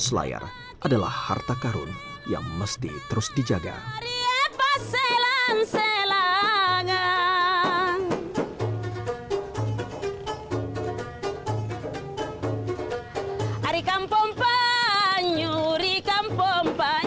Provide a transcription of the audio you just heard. kepulauan ini menyimpan sejuta kekayaan untuk dijaga agar tak lekang di dalam kemajuan zaman naskah naskah lawas rempah rempah dan kemampuan